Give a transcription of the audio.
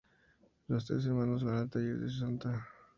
Los tres hermanos van al taller de Santa.